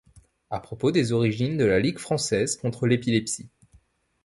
A propos des origines de la Ligue Française contre l'épilepsie.